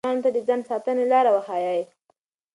ماشومانو ته د ځان ساتنې لارې وښایئ.